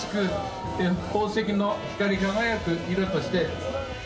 宝石の光り輝く色として。